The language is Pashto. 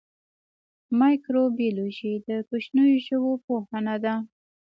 مایکروبیولوژي د کوچنیو ژویو پوهنه ده